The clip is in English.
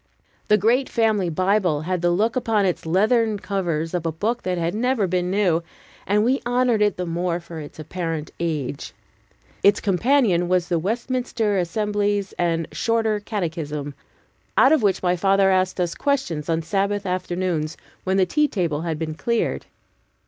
The great family Bible had the look upon its leathern covers of a book that bad never been new, and we honored it the more for its apparent age. Its companion was the Westminster Assembly's and Shorter Catechism, out of which my father asked us questions on Sabbath afternoons, when the tea table had been cleared.